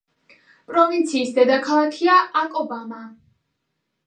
პროვინციის დედაქალაქია აკობამბა.